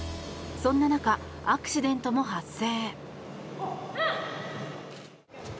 そんな中、アクシデントも発生。